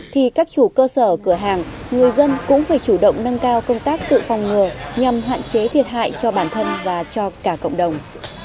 thì các chủ cơ sở cửa hàng người dân cũng phải chủ động nâng cao công tác tự phòng ngừa nhằm hạn chế thiệt hại cho bản thân và cho cả cộng đồng